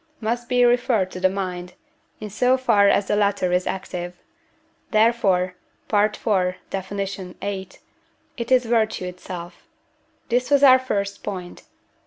must be referred to the mind, in so far as the latter is active; therefore (IV. Def. viii.) it is virtue itself. This was our first point.